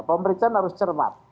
pemeriksaan harus cermat